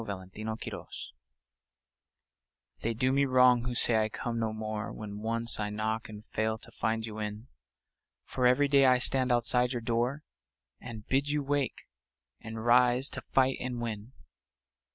OPPORTUNITY They do me wrong who say I come no more When once I knock and fail to find you in ; For every day I stand outside your door, And bid you wake, and rise to fight and win.